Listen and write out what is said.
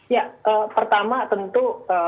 ya pertama tentu